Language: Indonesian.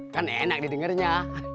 kan enak didengernya